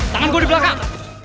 tangan gua di belakang